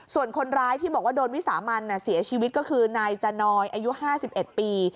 ส่วนคนร้ายที่บอกว่าโดนวิสามันเสียชีวิตก็คือนายจานอยอายุ๕๑ปี